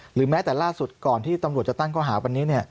หรือแม้แต่ล่าสุดก่อนที่ตำรวจจะตั้งข้อหาวันนี้